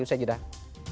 di segmen terakhir